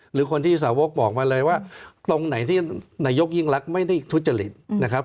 หรือคนที่สาวกบอกมาเลยว่าตรงไหนที่นายกยิ่งรักไม่ได้ทุจริตนะครับ